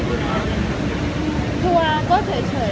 คืออยู่ที่เขาแล้วแหละ